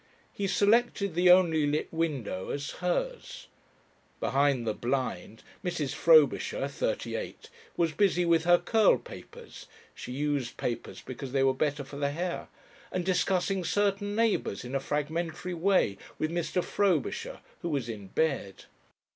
He selected the only lit window as hers. Behind the blind, Mrs. Frobisher, thirty eight, was busy with her curl papers she used papers because they were better for the hair and discussing certain neighbours in a fragmentary way with Mr. Frobisher, who was in bed.